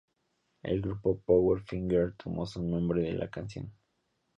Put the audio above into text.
El grupo Powderfinger tomó su nombre de la canción.